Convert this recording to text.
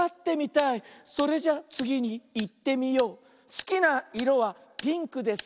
「すきないろはピンクです」